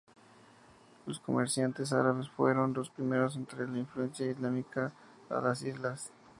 Los comerciantes árabes fueron los primeros en traer la influencia islámica a las islas.